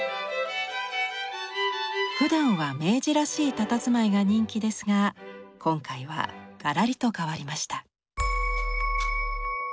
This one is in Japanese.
ふだんは明治らしいたたずまいが人気ですが今回はガラリと変わりました。